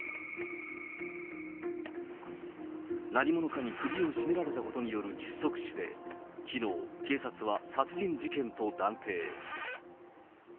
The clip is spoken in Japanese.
何者かに首を絞められたことによる窒息死で、きのう、警察は殺人事件と断定。